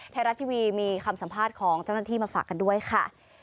ไทยรัฐทีวีมีคำสัมภาษณ์ของเจ้าหน้าที่มาฝากกันด้วยค่ะ